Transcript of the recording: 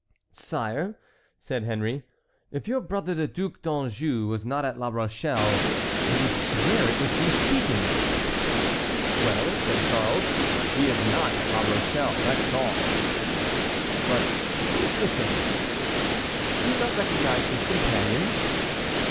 "Sire," said Henry, "if your brother the Duc d'Anjou was not at La Rochelle, I would swear it was he speaking." "Well," said Charles, "he is not at La Rochelle, that is all." "But who is with him?" "Do you not recognize his companion?"